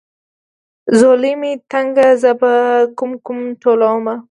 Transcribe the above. ځولۍ مې تنګه زه به کوم کوم ټولومه.